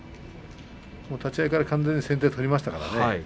立ち合いから完全に先手を取りましたからね。